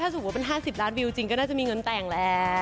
ถ้าถูกว่าเป็น๕๐ล้านวิวจริงก็น่าจะมีเงินแทนแหล่ะ